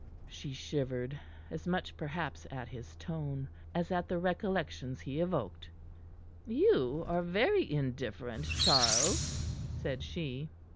She shivered, as much perhaps at his tone as at the recollections he evoked. "You are very indifferent, Charles," said she.